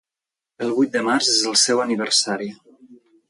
El vuit de març és el seu aniversari.